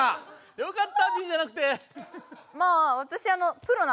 よかったＢじゃなくて。